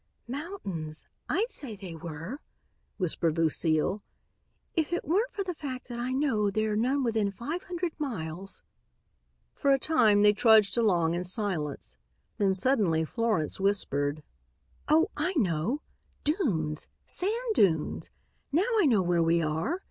"Mountains, I'd say they were," whispered Lucile, "if it weren't for the fact that I know there are none within five hundred miles." For a time they trudged along in silence. Then suddenly Florence whispered: "Oh, I know! Dunes! Sand dunes! Now I know where we are.